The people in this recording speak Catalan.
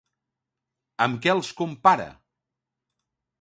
Amb què els compara?